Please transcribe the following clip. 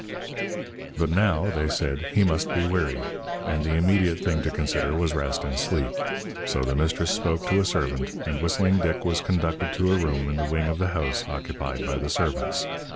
But now, they said, he must be weary, and the immediate thing to consider was rest and sleep. So the mistress spoke to a servant, and Whistling Dick was conducted to a room in the wing of the house occupied by the servants.